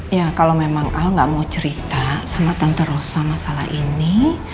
ya kalau memang al gak mau cerita sama tante rosa masalah ini